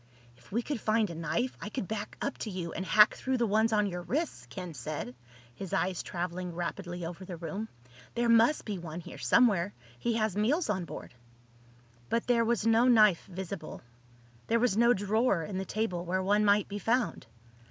"If we could find a knife I could back up to you and hack through the ones on your wrists," Ken said, his eyes traveling rapidly over the room. "There must be one here somewhere. He has meals on board." But there was no knife visible. There was no drawer in the table where one might be found.